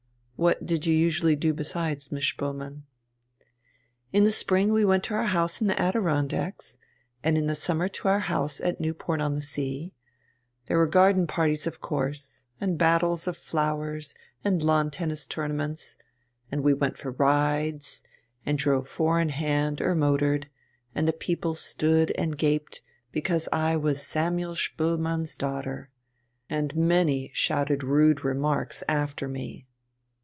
"What did you usually do besides, Miss Spoelmann?" "In the spring we went to our house in the Adirondacks and in the summer to our house at Newport on Sea. There were garden parties of course, and battles of flowers and lawn tennis tournaments, and we went for rides and drove four in hand or motored, and the people stood and gaped, because I was Samuel Spoelmann's daughter. And many shouted rude remarks after me."